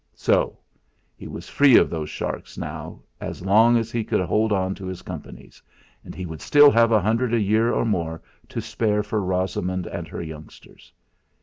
So! He was free of those sharks now so long as he could hold on to his Companies; and he would still have a hundred a year or more to spare for Rosamund and her youngsters.